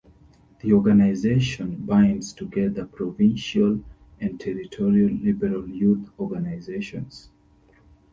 The organization binds together provincial and territorial Liberal Youth organizations.